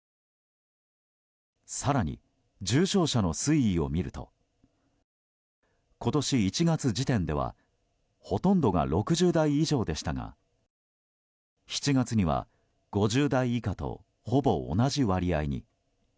更に、重症者の推移を見ると今年１月時点ではほとんどが６０代以上でしたが７月には５０代以下とほぼ同じ割合に。